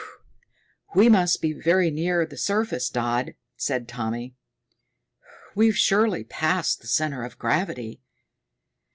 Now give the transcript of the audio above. "We must be very near the surface, Dodd," said Tommy. "We've surely passed the center of gravity.